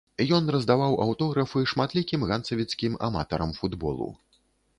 Ён раздаваў аўтографы шматлікім ганцавіцкім аматарам футболу.